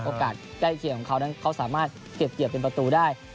ใกล้เคียงของเขานั้นเขาสามารถเก็บเกี่ยวเป็นประตูได้